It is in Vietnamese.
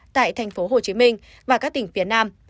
tại tp hcm và các tỉnh phía nam